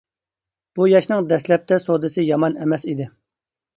بۇ ياشنىڭ دەسلەپتە سودىسى يامان ئەمەس ئىدى.